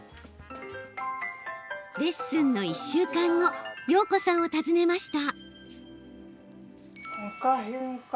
レッスンの１週間後曜子さんを訪ねました。